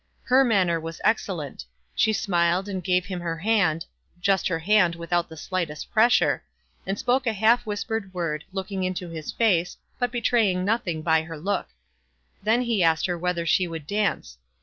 Her manner was excellent. She smiled and gave him her hand, just her hand without the slightest pressure, and spoke a half whispered word, looking into his face, but betraying nothing by her look. Then he asked her whether she would dance.